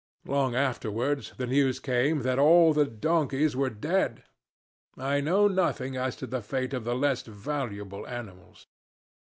Long afterwards the news came that all the donkeys were dead. I know nothing as to the fate of the less valuable animals.